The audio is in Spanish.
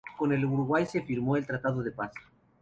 Con el Uruguay se firmó el tratado de paz.